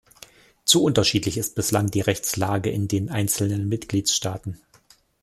Zu unterschiedlich ist bislang die Rechtslage in den einzelnen Mitgliedstaaten.